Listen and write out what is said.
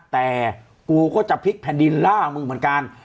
แต่กูก็จะพลิกแผ่นดินล่ามึงเหมือนกัน